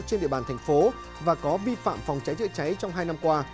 trên địa bàn thành phố và có vi phạm phòng cháy chữa cháy trong hai năm qua